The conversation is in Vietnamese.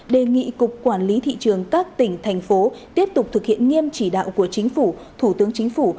đề nghị cục quản lý thị trường các tỉnh thành phố tiếp tục thực hiện nghiêm chỉ đạo của chính phủ thủ tướng chính phủ